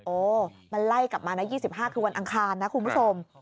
โอ้มันไล่กลับมานะ๒๕คือวันอังคารนะคุณผู้ชม